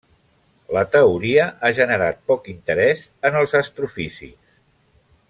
La teoria ha generat poc interès en els astrofísics.